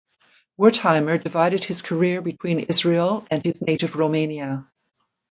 Wertheimer divided his career between Israel and his native Romania.